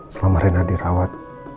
selama rina dirawat